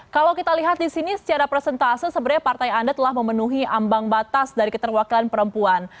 kalau kita lihat di sini secara persentase sebenarnya partai anda telah memenuhi ambang batas dari keterwakilan perempuan